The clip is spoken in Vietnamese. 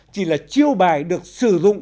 chỉ là chiêu bài được sử dụng